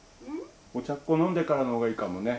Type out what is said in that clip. お茶っこ飲んでからの方がいいかもね。